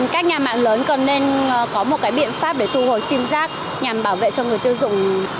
các nhà mạng lớn cần nên có một biện pháp để thu hồi sim giác nhằm bảo vệ cho người tiêu dùng